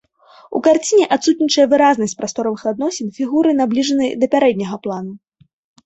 У карціне адсутнічае выразнасць прасторавых адносін, фігуры набліжаны да пярэдняга плану.